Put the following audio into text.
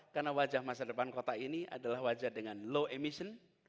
karena wajah masa depan kota ini adalah wajah dengan low emission